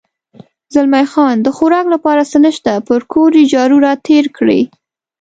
زلمی خان: د خوراک لپاره څه نشته، پر کور یې جارو را تېر کړی.